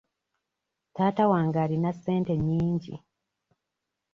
Taata wange alina ssente nnyingi.